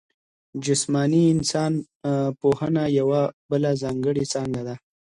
جسماني انسان پوهنه یوه بله ځانګړې څانګه ده.